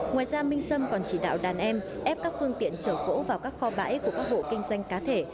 ngoài ra minh sâm còn chỉ đạo đàn em ép các phương tiện chở gỗ vào các kho bãi của các hộ kinh doanh cá thể